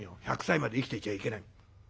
１００歳まで生きてちゃいけない。